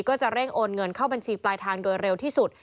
ก็จะเร่งโอนเงินเข้าบัญชีปลายทางโดยเร็วที่สุด